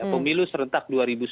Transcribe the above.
pemilu serentak dua ribu sembilan belas